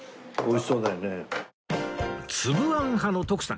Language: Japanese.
つぶあん派の徳さん